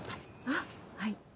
あっはい。